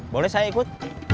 boleh saya ikut